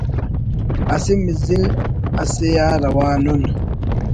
اسہ مزل اسے آ روان اُن